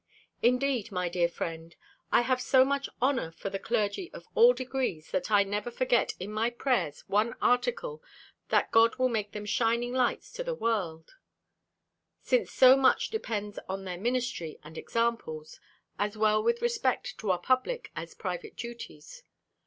Indeed, my dear friend, I have so much honour for the clergy of all degrees, that I never forget in my prayers one article, that God will make them shining lights to the world; since so much depends on their ministry and examples, as well with respect to our public as private duties.